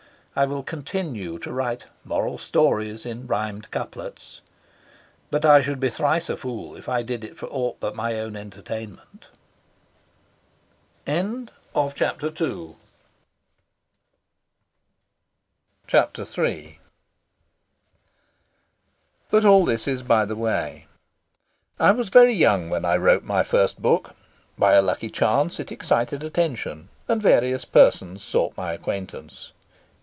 I will continue to write moral stories in rhymed couplets. But I should be thrice a fool if I did it for aught but my own entertainment. Chapter III But all this is by the way. I was very young when I wrote my first book. By a lucky chance it excited attention, and various persons sought my acquaintance.